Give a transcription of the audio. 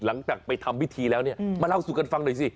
หลังจากไปทำพิธีแล้วเนี่ยมาเล่าสู่กันฟังหน่อยสิ